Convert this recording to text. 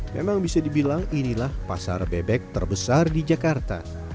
memang bisa dibilang inilah pasar bebek terbesar di jakarta